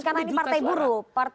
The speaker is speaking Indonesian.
karena ini partai buruh